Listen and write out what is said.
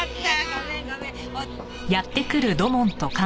ごめんごめん。